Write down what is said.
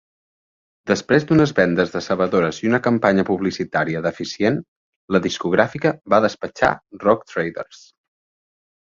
Després d'unes vendes decebedores i una campanya publicitària deficient, la discogràfica va despatxar Rogue Traders.